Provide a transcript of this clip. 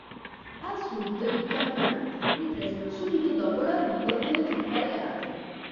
Al sud i campionati ripresero subito dopo l'arrivo delle truppe alleate.